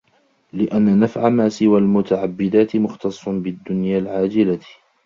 لِأَنَّ نَفْعَ مَا سِوَى الْمُتَعَبَّدَاتِ مُخْتَصٌّ بِالدُّنْيَا الْعَاجِلَةِ